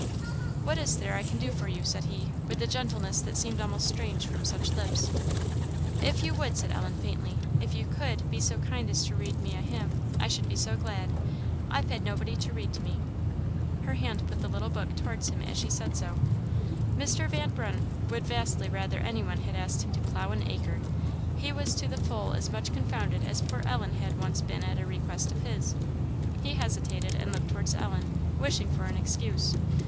"What is there I can do for you?" said he, with a gentleness that seemed almost strange from such lips. "If you would," said Ellen, faintly, "if you could be so kind as to read to me a hymn I should be so glad. I've had nobody to read to me." Her hand put the little book towards him as she said so. Mr. Van Brunt would vastly rather any one had asked him to plough an acre. He was to the full as much confounded as poor Ellen had once been at a request of his. He hesitated, and looked towards Ellen, wishing for an excuse.